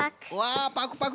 パクパク。